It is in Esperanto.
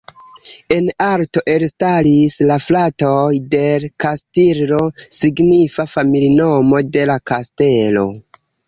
En arto elstaris la fratoj "del Castillo", signifa familinomo "de la Kastelo".